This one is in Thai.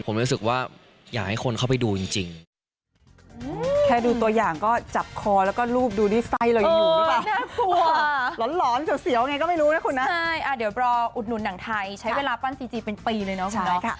ผมรู้สึกว่าอยากให้คนเข้าไปดูจริง